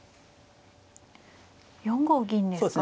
４五銀ですか。